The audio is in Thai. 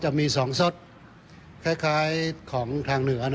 ช่วยให้สามารถสัมผัสถึงความเศร้าต่อการระลึกถึงผู้ที่จากไป